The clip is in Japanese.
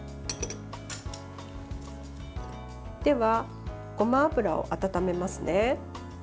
では、ごま油を温めますね。